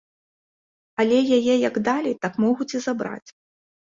Але яе як далі, так могуць і забраць.